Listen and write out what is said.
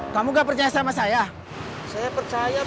lurus ke arah selatan